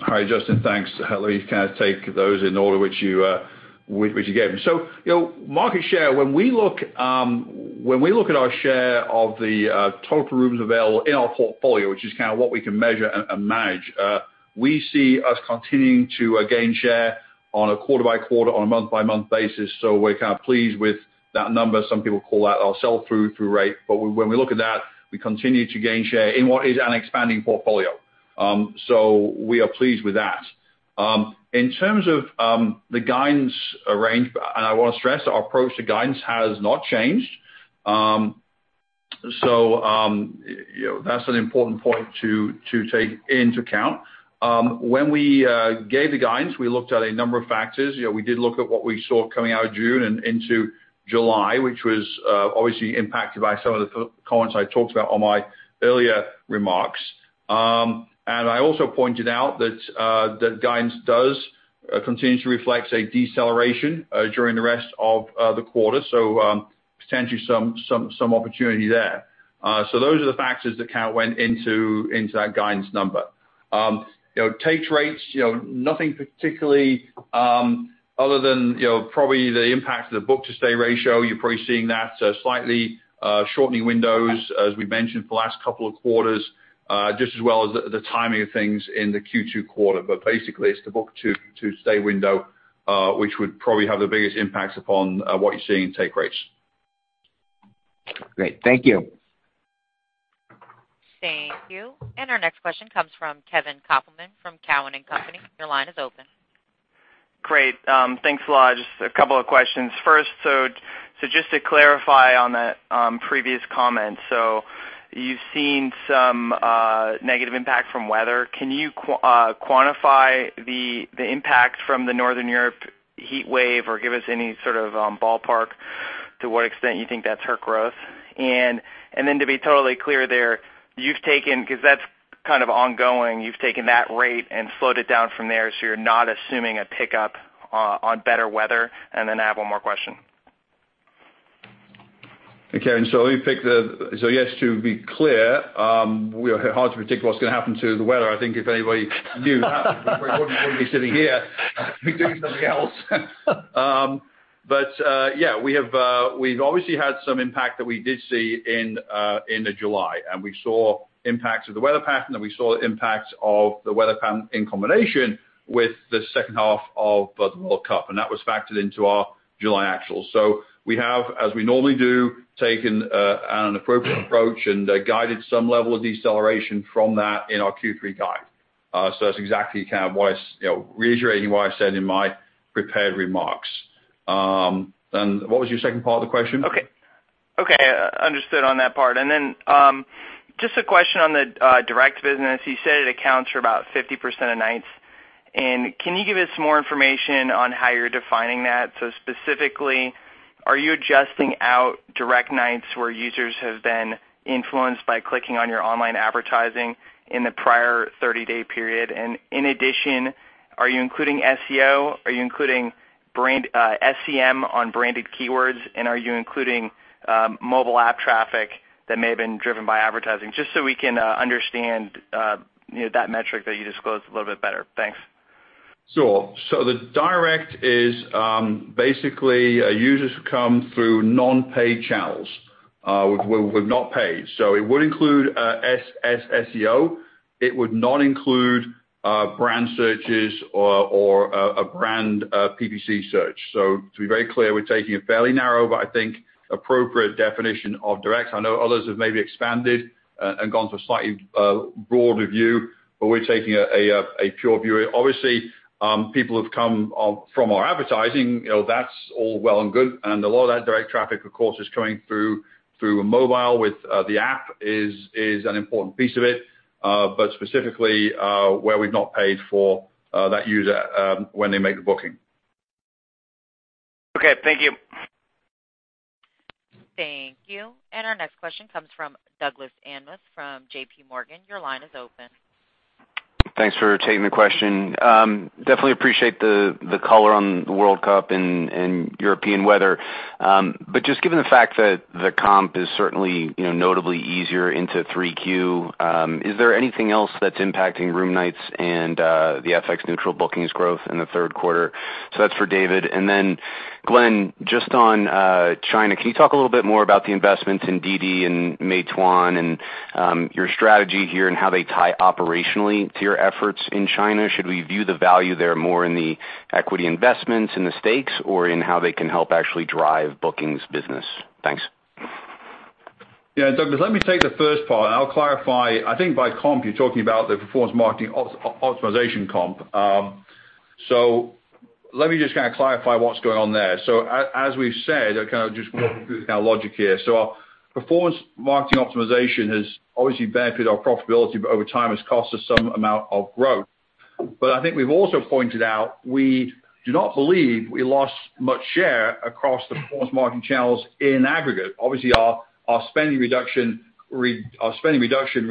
Hi, Justin. Thanks. Let me take those in the order which you gave me. Market share, when we look at our share of the total rooms available in our portfolio, which is what we can measure and manage, we see us continuing to gain share on a quarter-by-quarter, on a month-by-month basis. We're kind of pleased with that number. Some people call that our sell-through rate. When we look at that, we continue to gain share in what is an expanding portfolio. We are pleased with that. In terms of the guidance range, I want to stress our approach to guidance has not changed. That's an important point to take into account. When we gave the guidance, we looked at a number of factors. We did look at what we saw coming out of June and into July, which was obviously impacted by some of the comments I talked about on my earlier remarks. I also pointed out that guidance does continue to reflect a deceleration during the rest of the quarter, so potentially some opportunity there. Those are the factors that went into that guidance number. Take rates, nothing particularly other than probably the impact of the book-to-stay ratio. You're probably seeing that slightly shortening windows as we mentioned for the last couple of quarters, just as well as the timing of things in the Q2 quarter. Basically, it's the book-to-stay window, which would probably have the biggest impact upon what you're seeing in take rates. Great. Thank you. Thank you. Our next question comes from Kevin Kopelman from Cowen and Company. Your line is open. Great. Thanks a lot. Just a couple of questions. First, just to clarify on that previous comment. You've seen some negative impact from weather. Can you quantify the impact from the Northern Europe heat wave, or give us any sort of ballpark to what extent you think that's hurt growth? To be totally clear there, you've taken, because that's kind of ongoing, you've taken that rate and slowed it down from there, so you're not assuming a pickup on better weather? I have one more question. Okay. Yes, to be clear, it's hard to predict what's going to happen to the weather. I think if anybody knew that, we wouldn't really be sitting here. We'd be doing something else. Yeah, we've obviously had some impact that we did see in July, and we saw impacts of the weather pattern, and we saw the impacts of the weather pattern in combination with the second half of the World Cup, and that was factored into our July actuals. We have, as we normally do, taken an appropriate approach and guided some level of deceleration from that in our Q3 guide. That's exactly, kind of reiterating what I said in my prepared remarks. What was your second part of the question? Okay. Understood on that part. Just a question on the direct business. You said it accounts for about 50% of nights. Can you give us more information on how you're defining that? Specifically, are you adjusting out direct nights where users have been influenced by clicking on your online advertising in the prior 30-day period? In addition, are you including SEO? Are you including SEM on branded keywords? Are you including mobile app traffic that may have been driven by advertising? Just so we can understand that metric that you disclosed a little bit better. Thanks. Sure. The direct is basically users who come through non-paid channels. We've not paid. It would include SEO. It would not include brand searches or a brand PPC search. To be very clear, we're taking a fairly narrow, but I think appropriate definition of direct. I know others have maybe expanded and gone for a slightly broader view, but we're taking a pure view. Obviously, people have come from our advertising, that's all well and good. A lot of that direct traffic, of course, is coming through mobile with the app is an important piece of it. Specifically, where we've not paid for that user when they make the booking. Okay, thank you. Thank you. Our next question comes from Douglas Anmuth from J.P. Morgan. Your line is open. Thanks for taking the question. Definitely appreciate the color on the World Cup and European weather. Just given the fact that the comp is certainly notably easier into 3Q, is there anything else that's impacting room nights and the FX neutral bookings growth in the third quarter? That's for David. Then Glenn, just on China, can you talk a little bit more about the investments in DiDi and Meituan and your strategy here and how they tie operationally to your efforts in China? Should we view the value there more in the equity investments, in the stakes, or in how they can help actually drive bookings business? Thanks. Yeah, Douglas, let me take the first part, and I'll clarify. I think by comp, you're talking about the performance marketing optimization comp. Let me just kind of clarify what's going on there. As we've said, I kind of just walk through the logic here. Our performance marketing optimization has obviously benefited our profitability, but over time has cost us some amount of growth. I think we've also pointed out we do not believe we lost much share across the performance marketing channels in aggregate. Obviously, our spending reduction results in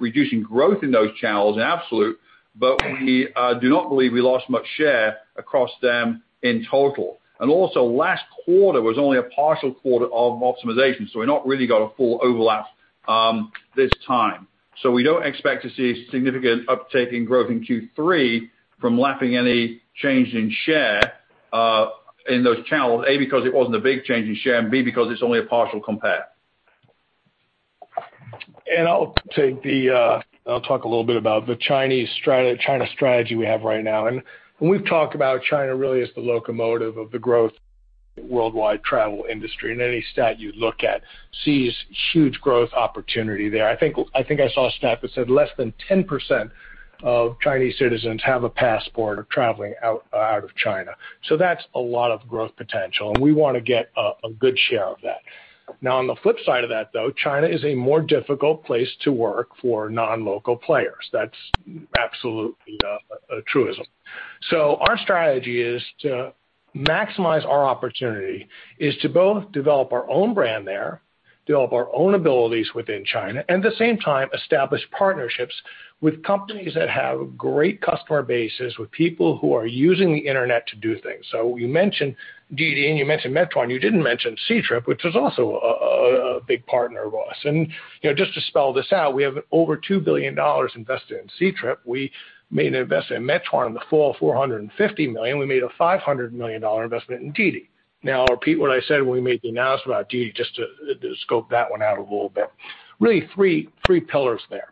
reducing growth in those channels in absolute, but we do not believe we lost much share across them in total. Also last quarter was only a partial quarter of optimization, so we've not really got a full overlap this time. We don't expect to see a significant uptake in growth in Q3 from lapping any change in share in those channels. A, because it wasn't a big change in share, and B, because it's only a partial compare. I'll talk a little bit about the China strategy we have right now. When we've talked about China really as the locomotive of the growth worldwide travel industry, any stat you look at sees huge growth opportunity there. I think I saw a stat that said less than 10% of Chinese citizens have a passport or traveling out of China. That's a lot of growth potential, and we want to get a good share of that. Now, on the flip side of that, though, China is a more difficult place to work for non-local players. That's absolutely a truism. Our strategy is to maximize our opportunity, is to both develop our own brand there, develop our own abilities within China, and at the same time, establish partnerships with companies that have great customer bases, with people who are using the internet to do things. You mentioned DiDi and you mentioned Meituan. You didn't mention Ctrip, which is also a big partner of ours. Just to spell this out, we have over $2 billion invested in Ctrip. We made an investment in Meituan in the fall, $450 million. We made a $500 million investment in DiDi. Now, I'll repeat what I said when we made the announcement about DiDi, just to scope that one out a little bit. Really three pillars there.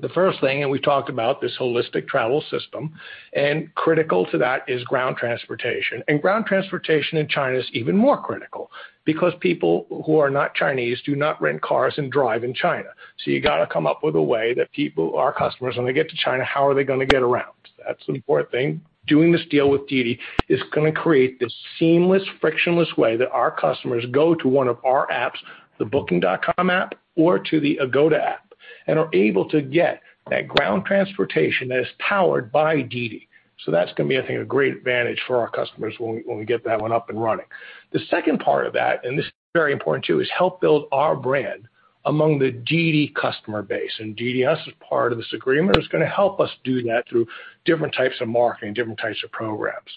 The first thing, we've talked about this holistic travel system, and critical to that is ground transportation. Ground transportation in China is even more critical because people who are not Chinese do not rent cars and drive in China. You got to come up with a way that people, our customers, when they get to China, how are they going to get around? That's an important thing. Doing this deal with DiDi is going to create this seamless, frictionless way that our customers go to one of our apps, the Booking.com app or to the Agoda app, and are able to get that ground transportation that is powered by DiDi. That's going to be, I think, a great advantage for our customers when we get that one up and running. The second part of that, this is very important too, is help build our brand among the DiDi customer base, and DiDi, as part of this agreement, is going to help us do that through different types of marketing, different types of programs.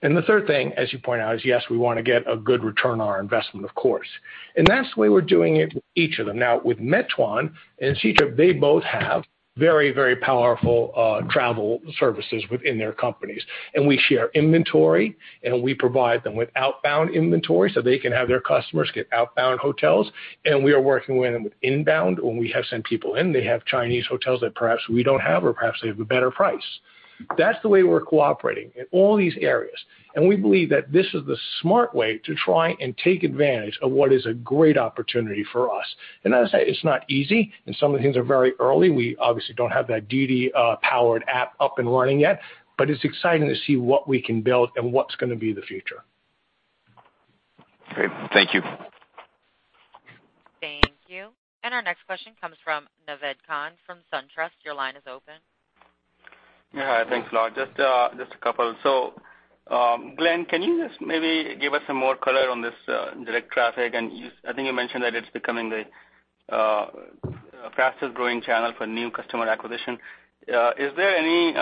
The third thing, as you point out, is yes, we want to get a good return on our investment, of course. That's the way we're doing it with each of them. With Meituan and Ctrip, they both have very powerful travel services within their companies. We share inventory, and we provide them with outbound inventory so they can have their customers get outbound hotels, and we are working with them with inbound when we have sent people in. They have Chinese hotels that perhaps we don't have, or perhaps they have a better price. That's the way we're cooperating in all these areas, and we believe that this is the smart way to try and take advantage of what is a great opportunity for us. As I say, it's not easy, and some of the things are very early. We obviously don't have that DiDi-powered app up and running yet, but it's exciting to see what we can build and what's going to be the future. Great. Thank you. Thank you. Our next question comes from Naved Khan from SunTrust. Your line is open. Yeah. Hi. Thanks a lot. Just a couple. Glenn, can you just maybe give us some more color on this direct traffic? I think you mentioned that it's becoming a fastest growing channel for new customer acquisition. Is there any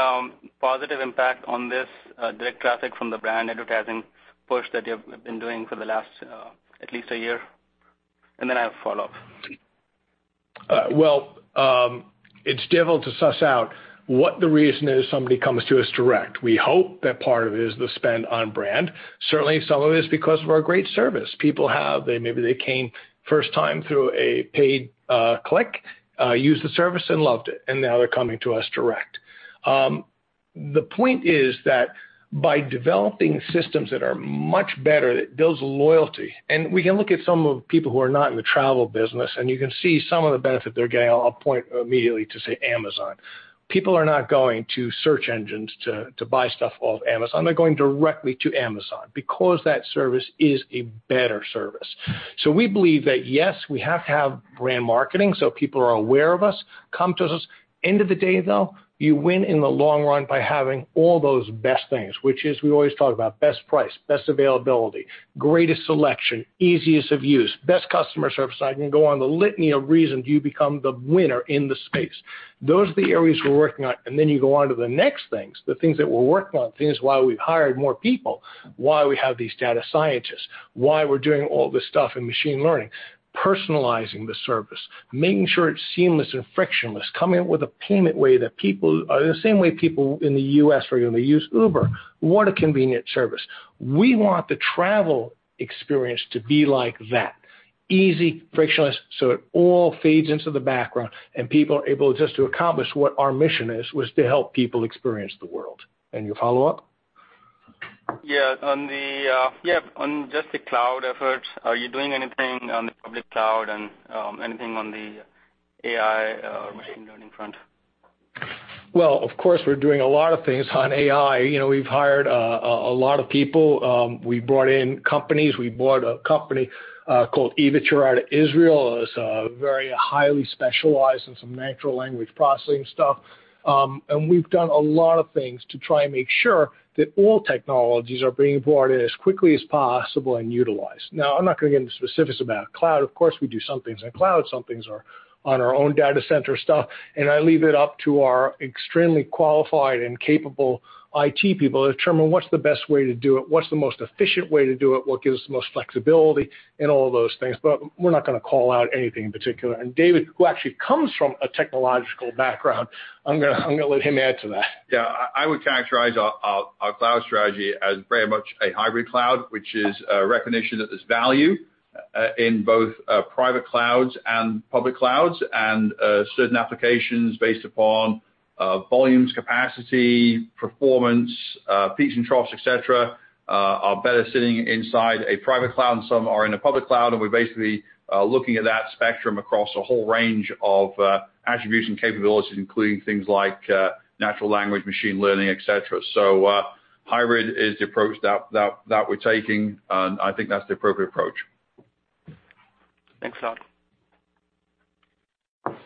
positive impact on this direct traffic from the brand advertising push that you've been doing for the last at least a year? I have a follow-up. It's difficult to suss out what the reason is somebody comes to us direct. We hope that part of it is the spend on brand. Certainly, some of it is because of our great service. People have, maybe they came first time through a paid click, used the service and loved it, and now they're coming to us direct. The point is that by developing systems that are much better, that builds loyalty. We can look at some of the people who are not in the travel business, and you can see some of the benefit they're getting. I'll point immediately to say Amazon. People are not going to search engines to buy stuff off Amazon. They're going directly to Amazon because that service is a better service. We believe that, yes, we have to have brand marketing, so people are aware of us, come to us. End of the day, though, you win in the long run by having all those best things, which is we always talk about best price, best availability, greatest selection, easiest of use, best customer service. I can go on the litany of reasons you become the winner in the space. Those are the areas we're working on. You go on to the next things, the things that we're working on, things why we've hired more people, why we have these data scientists, why we're doing all this stuff in machine learning. Personalizing the service, making sure it's seamless and frictionless, coming up with a payment way that the same way people in the U.S. regularly use Uber. What a convenient service. We want the travel experience to be like that. Easy, frictionless, it all fades into the background, and people are able just to accomplish what our mission is, was to help people experience the world. Your follow-up? Yeah. On just the cloud efforts, are you doing anything on the public cloud and anything on the AI or machine learning front? Well, of course, we're doing a lot of things on AI. We've hired a lot of people. We brought in companies. We bought a company called Evature out of Israel. It was very highly specialized in some natural language processing stuff. We've done a lot of things to try and make sure that all technologies are being brought in as quickly as possible and utilized. Now, I'm not going to get into specifics about cloud. Of course, we do some things on cloud, some things are on our own data center stuff, and I leave it up to our extremely qualified and capable IT people to determine what's the best way to do it, what's the most efficient way to do it, what gives the most flexibility and all of those things. We're not going to call out anything in particular. David, who actually comes from a technological background, I'm going to let him add to that. Yeah, I would characterize our cloud strategy as very much a hybrid cloud, which is a recognition that there's value in both private clouds and public clouds, and certain applications based upon volumes, capacity, performance, peaks and troughs, et cetera, are better sitting inside a private cloud, and some are in a public cloud. We're basically looking at that spectrum across a whole range of attribution capabilities, including things like natural language, machine learning, et cetera. Hybrid is the approach that we're taking, and I think that's the appropriate approach. Thanks a lot.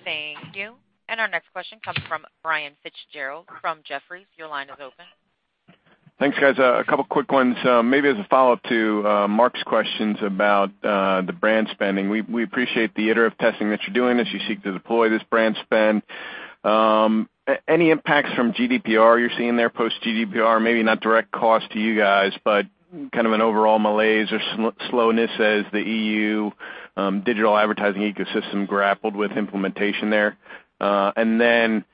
Thank you. Our next question comes from Brian Fitzgerald from Jefferies. Your line is open. Thanks, guys. A couple of quick ones. Maybe as a follow-up to Mark's questions about the brand spending. We appreciate the iterative testing that you're doing as you seek to deploy this brand spend. Any impacts from GDPR you're seeing there post GDPR? Maybe not direct cost to you guys, but kind of an overall malaise or slowness as the EU digital advertising ecosystem grappled with implementation there. Then,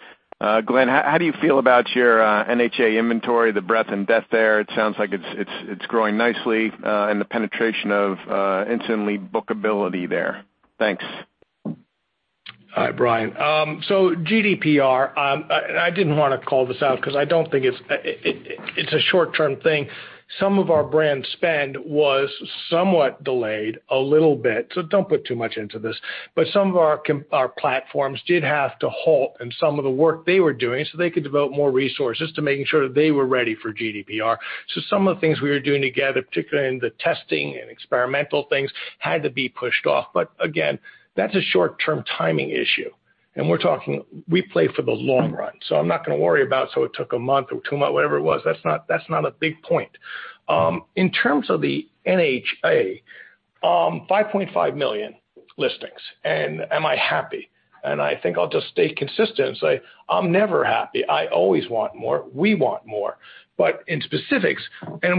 Glenn, how do you feel about your NHA inventory, the breadth and depth there? It sounds like it's growing nicely, and the penetration of instantly bookability there. Thanks. Hi, Brian. GDPR, and I didn't want to call this out because I don't think it's a short-term thing. Some of our brand spend was somewhat delayed a little bit, don't put too much into this. Some of our platforms did have to halt in some of the work they were doing so they could devote more resources to making sure that they were ready for GDPR. Some of the things we were doing together, particularly in the testing and experimental things, had to be pushed off. Again, that's a short-term timing issue. We're talking, we play for the long run, so I'm not going to worry about so it took a month or two months, whatever it was. That's not a big point. In terms of the NHA, 5.5 million listings. Am I happy? I think I'll just stay consistent and say, I'm never happy. I always want more. We want more. In specifics,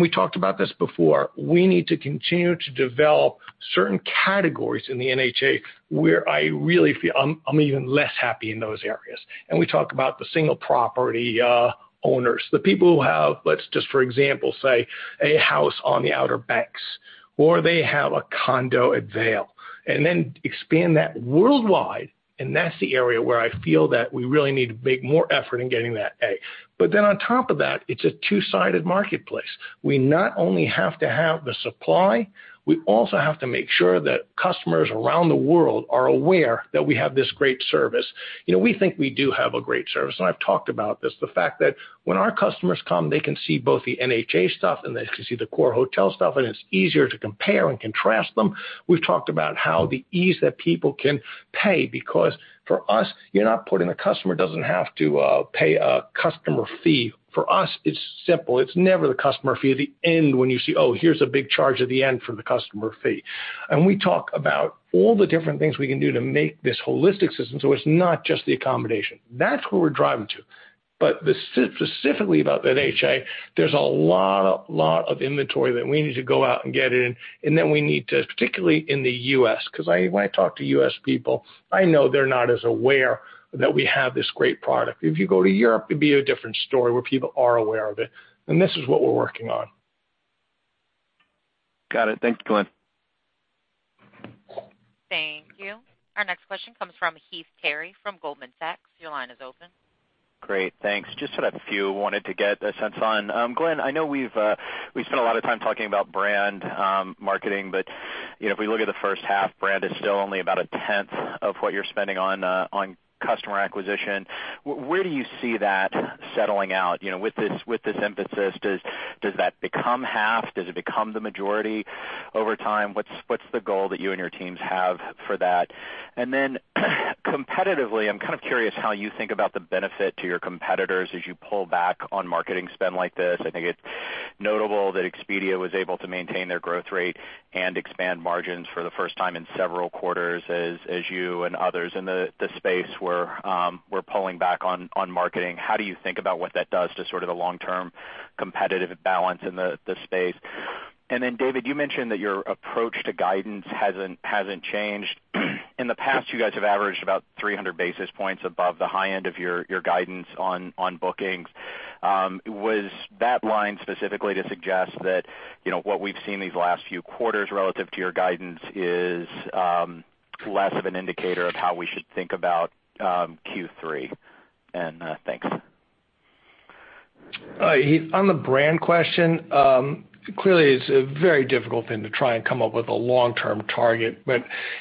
we talked about this before, we need to continue to develop certain categories in the NHA, where I really feel I'm even less happy in those areas. We talk about the single property owners, the people who have, let's just for example, say, a house on the Outer Banks, or they have a condo at Vail. Then expand that worldwide, that's the area where I feel that we really need to make more effort in getting that A. On top of that, it's a two-sided marketplace. We not only have to have the supply, we also have to make sure that customers around the world are aware that we have this great service. We think we do have a great service. I've talked about this, the fact that when our customers come, they can see both the NHA stuff and they can see the core hotel stuff. It's easier to compare and contrast them. We've talked about how the ease that people can pay, because for us, a customer doesn't have to pay a customer fee. For us, it's simple. It's never the customer fee at the end when you see, oh, here's a big charge at the end for the customer fee. We talk about all the different things we can do to make this holistic system so it's not just the accommodation. That's where we're driving to. Specifically about NHA, there's a lot of inventory that we need to go out and get in. Then we need to, particularly in the U.S., because when I talk to U.S. people, I know they're not as aware that we have this great product. If you go to Europe, it'd be a different story, where people are aware of it. This is what we're working on. Got it. Thanks, Glenn. Thank you. Our next question comes from Heath Terry from Goldman Sachs. Your line is open. Great. Thanks. Just had a few wanted to get a sense on. Glenn, I know we've spent a lot of time talking about brand marketing, but if we look at the first half, brand is still only about a tenth of what you're spending on customer acquisition. Where do you see that settling out? With this emphasis, does that become half? Does it become the majority over time? What's the goal that you and your teams have for that? Competitively, I'm kind of curious how you think about the benefit to your competitors as you pull back on marketing spend like this. I think it's notable that Expedia was able to maintain their growth rate and expand margins for the first time in several quarters as you and others in the space were pulling back on marketing. How do you think about what that does to sort of the long-term competitive balance in the space? David, you mentioned that your approach to guidance hasn't changed. In the past, you guys have averaged about 300 basis points above the high end of your guidance on bookings. Was that line specifically to suggest that what we've seen these last few quarters relative to your guidance is less of an indicator of how we should think about Q3? Thanks. Heath, on the brand question, clearly it's a very difficult thing to try and come up with a long-term target.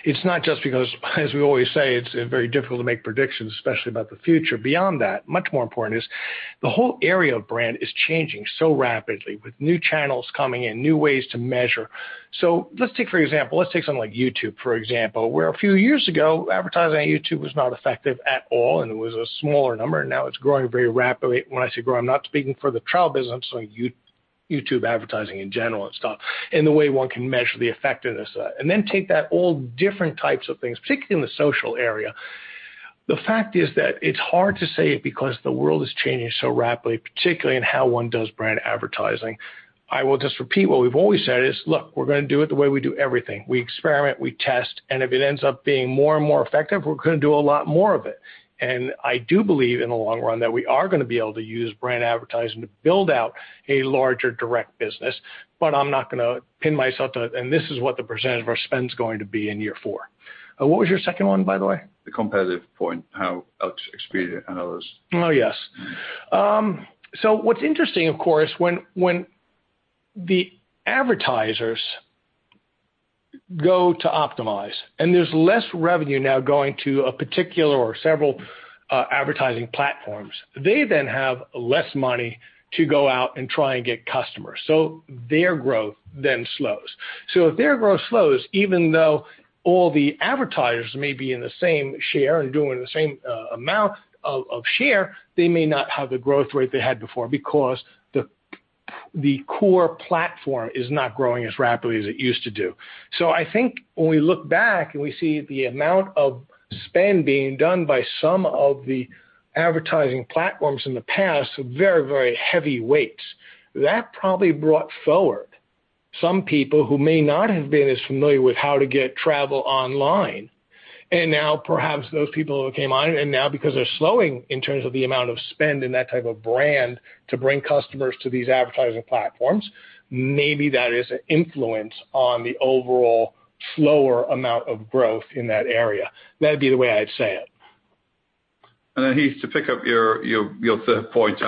It's not just because, as we always say, it's very difficult to make predictions, especially about the future. Beyond that, much more important is the whole area of brand is changing so rapidly with new channels coming in, new ways to measure. Let's take for example, let's take something like YouTube, for example, where a few years ago, advertising on YouTube was not effective at all, and it was a smaller number, and now it's growing very rapidly. When I say grow, I'm not speaking for the travel business, so YouTube advertising in general and stuff, and the way one can measure the effectiveness of that. Take that, all different types of things, particularly in the social area. The fact is that it's hard to say it because the world is changing so rapidly, particularly in how one does brand advertising. I will just repeat what we've always said is, look, we're going to do it the way we do everything. We experiment, we test, if it ends up being more and more effective, we're going to do a lot more of it. I do believe in the long run that we are going to be able to use brand advertising to build out a larger direct business, but I'm not going to pin myself to it and this is what the percentage of our spend's going to be in year four. What was your second one, by the way? The competitive point, how Expedia and others. Oh, yes. What's interesting, of course, when the advertisers go to optimize and there's less revenue now going to a particular or several advertising platforms, they then have less money to go out and try and get customers. Their growth then slows. If their growth slows, even though all the advertisers may be in the same share and doing the same amount of share, they may not have the growth rate they had before because the core platform is not growing as rapidly as it used to do. I think when we look back and we see the amount of spend being done by some of the advertising platforms in the past, very, very heavy weights, that probably brought forward some people who may not have been as familiar with how to get travel online. Now perhaps those people who came on and now because they're slowing in terms of the amount of spend in that type of brand to bring customers to these advertising platforms, maybe that is an influence on the overall slower amount of growth in that area. That'd be the way I'd say it. Heath, to pick up your third point,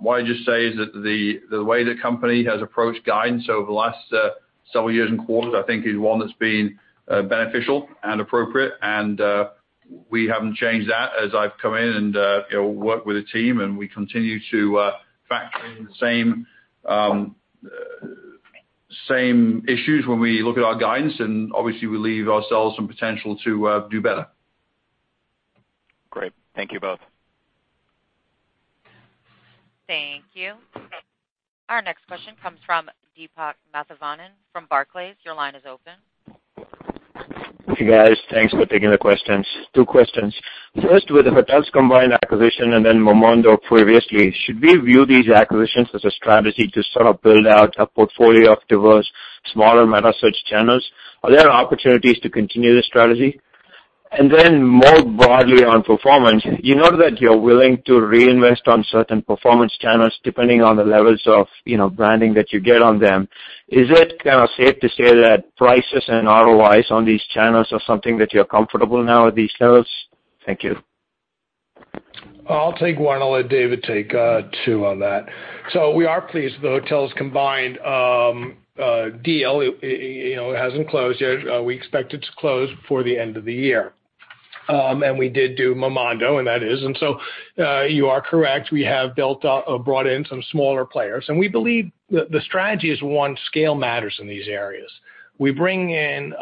what I'd just say is that the way the company has approached guidance over the last several years and quarters, I think is one that's been beneficial and appropriate and we haven't changed that as I've come in and worked with the team, and we continue to factor in the same issues when we look at our guidance. Obviously, we leave ourselves some potential to do better. Great. Thank you both. Thank you. Our next question comes from Deepak Mathivanan from Barclays. Your line is open. Hey, guys. Thanks for taking the questions. Two questions. First, with the HotelsCombined acquisition and then Momondo previously, should we view these acquisitions as a strategy to sort of build out a portfolio of diverse smaller meta search channels? Are there opportunities to continue this strategy? Then more broadly on performance, you noted that you're willing to reinvest on certain performance channels depending on the levels of branding that you get on them. Is it kind of safe to say that prices and ROIs on these channels are something that you're comfortable now with these channels? Thank you. I'll take one. I'll let David take two on that. We are pleased with the HotelsCombined deal. It hasn't closed yet. We expect it to close before the end of the year. We did do Momondo, and that is. You are correct, we have brought in some smaller players. We believe the strategy is, one, scale matters in these areas. We bring in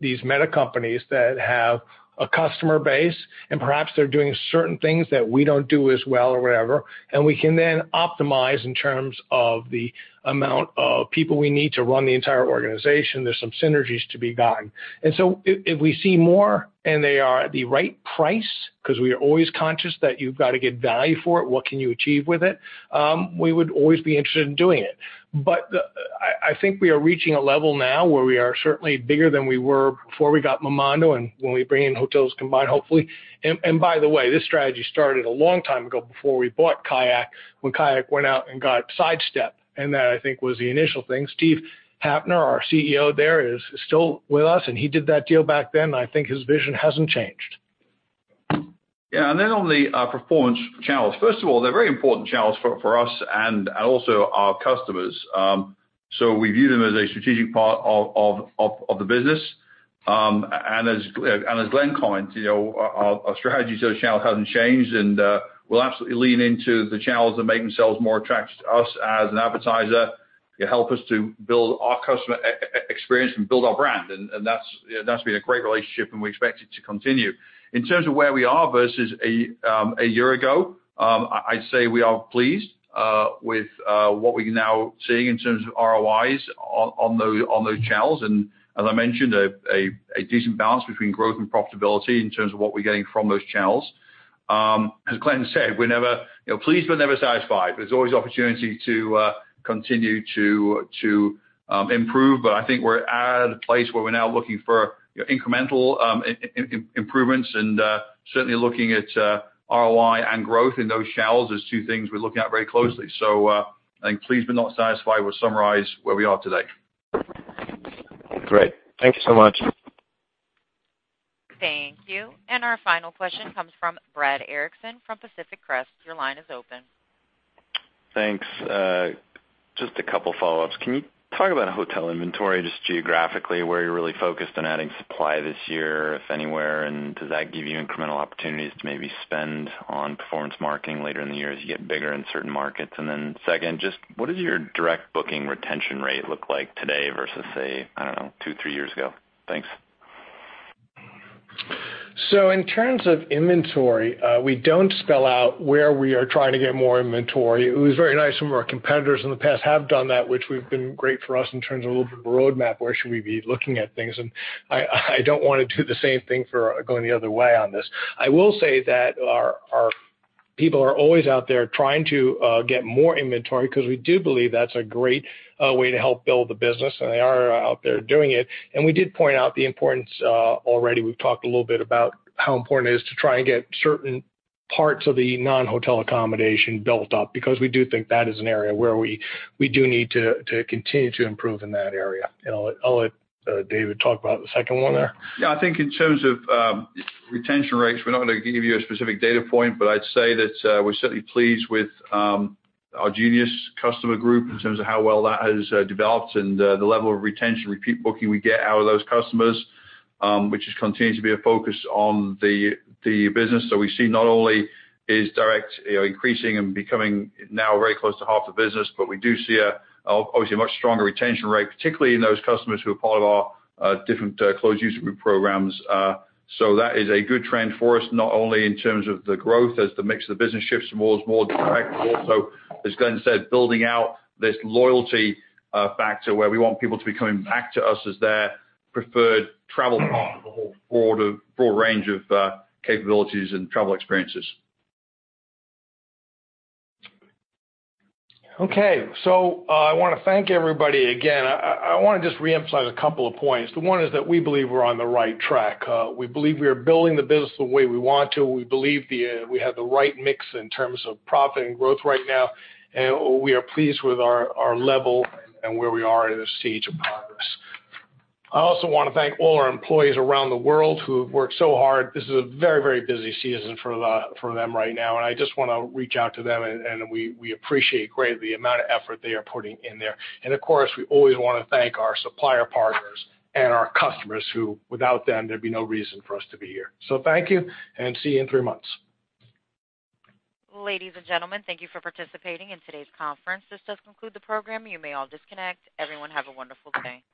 these meta companies that have a customer base, and perhaps they're doing certain things that we don't do as well or whatever, and we can then optimize in terms of the amount of people we need to run the entire organization. There's some synergies to be gotten. If we see more and they are at the right price, because we are always conscious that you've got to get value for it, what can you achieve with it, we would always be interested in doing it. I think we are reaching a level now where we are certainly bigger than we were before we got Momondo and when we bring in HotelsCombined, hopefully. By the way, this strategy started a long time ago before we bought Kayak, when Kayak went out and got SideStep, and that, I think, was the initial thing. Steve Hafner, our CEO there, is still with us, and he did that deal back then. I think his vision hasn't changed. On the performance channels, first of all, they're very important channels for us and also our customers. We view them as a strategic part of the business. As Glenn commented, our strategy to those channels hasn't changed, and we'll absolutely lean into the channels that make themselves more attractive to us as an advertiser to help us to build our customer experience and build our brand. That's been a great relationship, and we expect it to continue. In terms of where we are versus a year ago, I'd say we are pleased with what we are now seeing in terms of ROIs on those channels and, as I mentioned, a decent balance between growth and profitability in terms of what we're getting from those channels. As Glenn said, pleased but never satisfied. There's always opportunity to continue to improve, but I think we're at a place where we're now looking for incremental improvements and certainly looking at ROI and growth in those channels as two things we're looking at very closely. I think pleased but not satisfied would summarize where we are today. Great. Thank you so much. Thank you. Our final question comes from Brad Erickson from Pacific Crest. Your line is open. Thanks. Just a couple follow-ups. Can you talk about hotel inventory, just geographically, where you're really focused on adding supply this year, if anywhere, and does that give you incremental opportunities to maybe spend on performance marketing later in the year as you get bigger in certain markets? Then second, just what does your direct booking retention rate look like today versus, say, I don't know, two, three years ago? Thanks. In terms of inventory, we don't spell out where we are trying to get more inventory. It was very nice, some of our competitors in the past have done that, which we've been great for us in terms of a little bit of a roadmap, where should we be looking at things, and I don't want to do the same thing for going the other way on this. I will say that our people are always out there trying to get more inventory because we do believe that's a great way to help build the business, and they are out there doing it. We did point out the importance already. We've talked a little bit about how important it is to try and get certain parts of the non-hotel accommodation built up, because we do think that is an area where we do need to continue to improve in that area. I'll let David talk about the second one there. Yeah, I think in terms of retention rates, we're not going to give you a specific data point, but I'd say that we're certainly pleased with our Genius customer group in terms of how well that has developed and the level of retention repeat booking we get out of those customers, which has continued to be a focus on the business. We see not only is direct increasing and becoming now very close to half the business, but we do see obviously a much stronger retention rate, particularly in those customers who are part of our different closed user group programs. That is a good trend for us, not only in terms of the growth as the mix of the business shifts towards more direct, but also, as Glenn said, building out this loyalty factor where we want people to be coming back to us as their preferred travel partner for a whole broad range of capabilities and travel experiences. Okay, I want to thank everybody again. I want to just reemphasize a couple of points. The one is that we believe we're on the right track. We believe we are building the business the way we want to. We believe we have the right mix in terms of profit and growth right now, we are pleased with our level and where we are in this stage of progress. I also want to thank all our employees around the world who have worked so hard. This is a very, very busy season for them right now, and I just want to reach out to them, and we appreciate greatly the amount of effort they are putting in there. Of course, we always want to thank our supplier partners and our customers, who without them, there'd be no reason for us to be here. Thank you, and see you in three months. Ladies and gentlemen, thank you for participating in today's conference. This does conclude the program. You may all disconnect. Everyone, have a wonderful day.